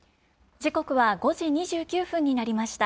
時刻は５時２９分になりました。